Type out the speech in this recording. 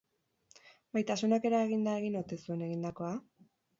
Maitasunak eraginda egin ote zuen egindakoa?